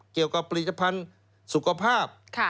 เกี่ยวกับผลิตภัณฑ์สุขภาพ